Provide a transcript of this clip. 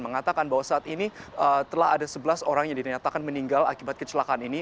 mengatakan bahwa saat ini telah ada sebelas orang yang dinyatakan meninggal akibat kecelakaan ini